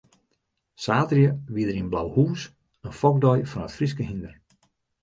Saterdei wie der yn Blauhûs in fokdei fan it Fryske hynder.